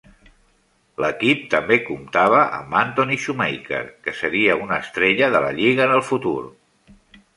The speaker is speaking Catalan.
L'equip també comptava amb Anthony Shumaker, que seria una estrella de la lliga en el futur.